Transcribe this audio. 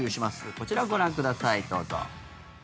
こちらをご覧ください、どうぞ。